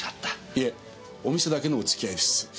いえお店だけのお付き合いです。